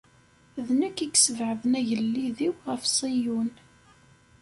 D nekk i yesbedden agellid-iw ɣef Ṣiyun.